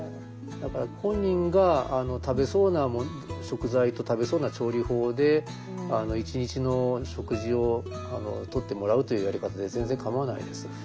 だから本人が食べそうな食材と食べそうな調理法で一日の食事をとってもらうというやり方で全然かまわないです。